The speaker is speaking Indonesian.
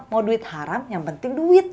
mau duit haram yang penting duit